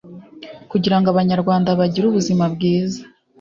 kugira ngo Abanyarwanda bagire ubuzima bwiza